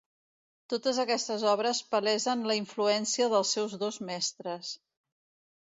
Totes aquestes obres palesen la influència dels seus dos mestres.